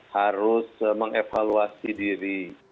harus mengevaluasi diri